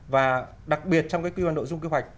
và đặc biệt trong cái quy hoàn đội dung kế hoạch